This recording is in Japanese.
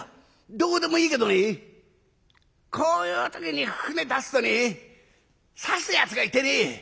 どうでもいいけどねこういう時に舟出すとねさすやつがいてね